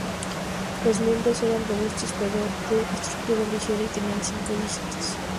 Los miembros eran robustos, pero de estructura ligera y tenían cinco dígitos.